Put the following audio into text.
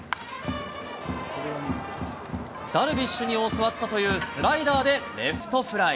ダルビッシュに教わったというスライダーでレフトフライ。